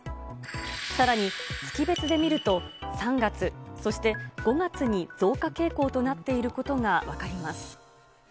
さらに、月別で見ると、３月、そして５月に増加傾向となっていることが分かります。